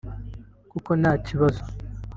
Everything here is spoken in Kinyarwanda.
kuko nta kibazo